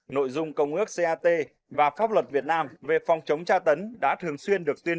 nội dung công ước cat và pháp luật việt nam về phòng chống tra tấn đã thường xuyên được tuyên